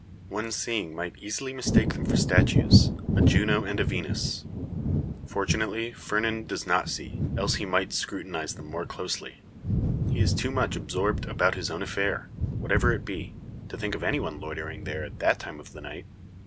One seeing, might easily mistake them for statues a Juno and a Venus. Fortunately Fernand does not see, else he might scrutinise them more closely. He is too much absorbed about his own affair, whatever it be, to think of any one loitering there at that time of the night.